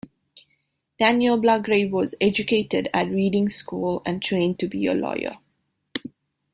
Daniel Blagrave was educated at Reading School and trained to be a lawyer.